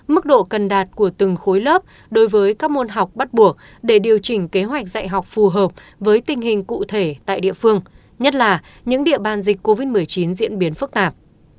mức độ cần đạt của từng khối lớp đối với các môn học bắt buộc để điều chỉnh kế hoạch dạy học phù hợp với tình hình cụ thể tại địa phương nhất là những địa bàn dịch covid một mươi chín diễn biến phức tạp